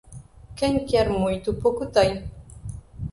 Quem quer muito pouco tem.